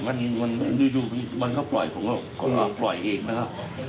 มันอยู่มันก็ปล่อยผมก็ปล่อยเองนะครับ